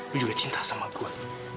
lu juga cinta sama gue